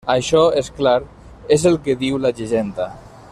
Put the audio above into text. Això, és clar, és el que diu la llegenda.